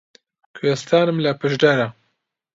کوێستانم لە پشدەرە